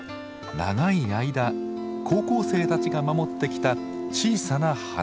長い間高校生たちが守ってきた小さな花園。